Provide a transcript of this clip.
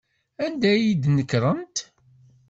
Anda ay d-nekrent?